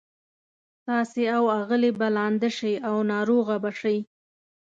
تاسي او آغلې به لانده شئ او ناروغه به شئ.